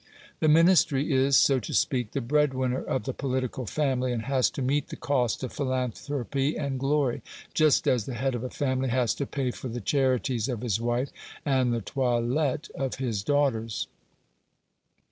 The Ministry is (so to speak) the bread winner of the political family, and has to meet the cost of philanthropy and glory, just as the head of a family has to pay for the charities of his wife and the toilette of his daughters.